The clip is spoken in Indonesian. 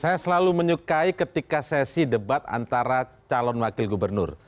saya selalu menyukai ketika sesi debat antara calon wakil gubernur